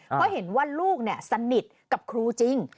เพราะเห็นว่าลูกสนิทกับครูจริง